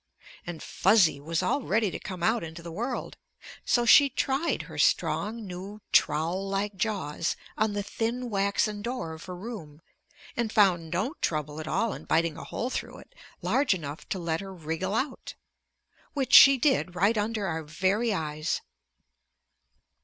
And Fuzzy was all ready to come out into the world. So she tried her strong new trowel like jaws on the thin waxen door of her room, and found no trouble at all in biting a hole through it large enough to let her wriggle out. Which she did right under our very eyes.